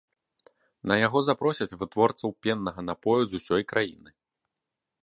На яго запросяць вытворцаў пеннага напою з усёй краіны.